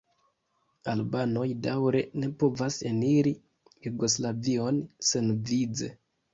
Albanoj daŭre ne povas eniri Jugoslavion senvize.